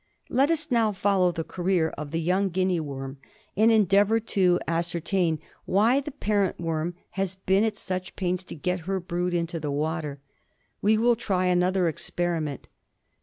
Let us now follow the career of the young Guinea worm 38 GUINEA WORM. and endeavour to ascertain why the parent worm has been at such pains to get her brood into the water. We will try another experiment.